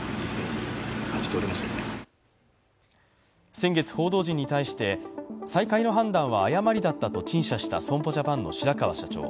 先月、報道陣に対して再開の判断は誤りだったと陳謝した損保ジャパンの白川社長。